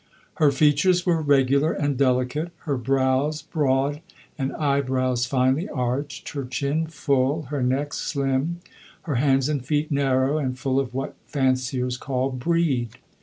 Her features were regular and delicate; her brows broad and eyebrows finely arched, her chin full, her neck slim, her hands and feet narrow and full of what fanciers call "breed."